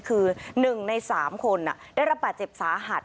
คือ๑ใน๓คนได้รับบาดเจ็บสาหัส